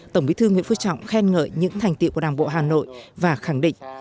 tổng bí thư nguyễn phú trọng khen ngợi những thành tiệu của đảng bộ hà nội và khẳng định